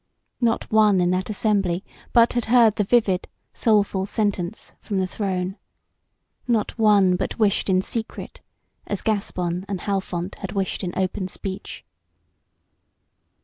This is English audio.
Not one in that assembly but had heard the vivid, soulful sentence from the throne. Not one but wished in secret as Gaspon and Halfont had wished in open speech.